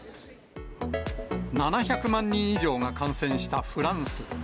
７００万人以上が感染したフランス。